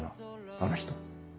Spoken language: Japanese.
あの人。